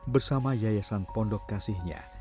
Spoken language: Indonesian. bersama yayasan pondok kasihnya